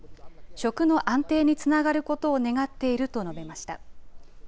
食の安定につながることを願っていると述べました。